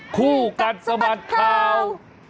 คู่กันสมัติข่าว